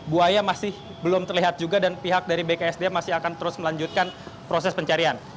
buaya masih belum terlihat juga dan pihak dari bksda masih akan terus melanjutkan proses pencarian